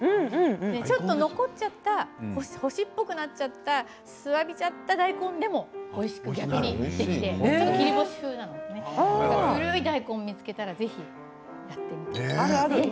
ちょっと残っちゃった干しっぽくなっちゃったしなびちゃった大根でもおいしく、逆にできて切り干し風なので古い大根、見つけたらぜひやってみてください。